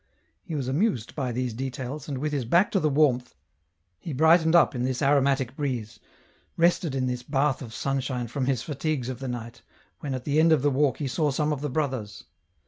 He was amused by these details, and with his back to the warmth, he brightened up in this aromatic breeze, rested in this bath of sunshine from his fatigues of the night, when at the end of the walk he saw some of the brothers.